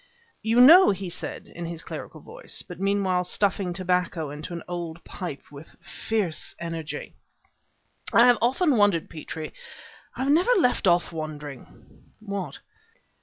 "You know," he said, in his clerical voice, but meanwhile stuffing tobacco into an old pipe with fierce energy, "I have often wondered, Petrie I have never left off wondering " "What?"